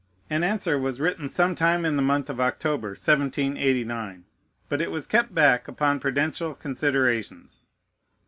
An answer was written some time in the month of October, 1789; but it was kept back upon prudential considerations.